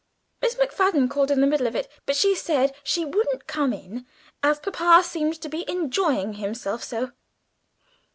Miss McFadden called in the middle of it, but she said she wouldn't come in, as papa seemed to be enjoying himself so.